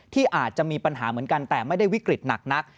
ที่อาจจะมีปัญหาเหมือนกันแต่ไม่ได้วิกฤตหนักนัก